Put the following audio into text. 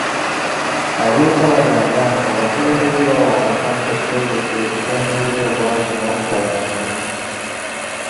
Abavubuka bagamba nti abakulembeze bawa abakadde pulojekiti ezikendeeza obwavu n'obutaba na mirimu.